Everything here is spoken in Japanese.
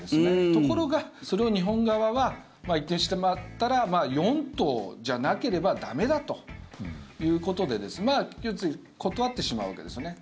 ところが、それを日本側は言ってしまったら４島じゃなければ駄目だということで要するに断ってしまうわけですね。